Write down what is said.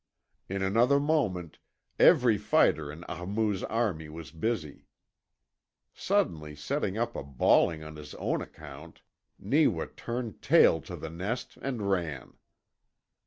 In another moment every fighter in Ahmoo's army was busy. Suddenly setting up a bawling on his own account Neewa turned tail to the nest and ran.